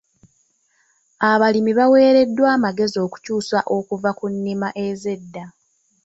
Abalimi baaweereddwa amagezi okukyusa okuva ku nnima ez'edda.